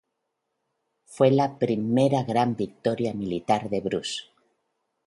Fue la primera gran victoria militar de Bruce.